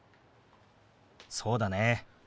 そうだね。